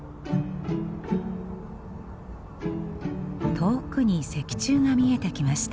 遠くに石柱が見えてきました。